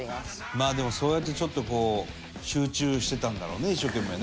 まあでもそうやってちょっとこう集中してたんだろうね一生懸命ね。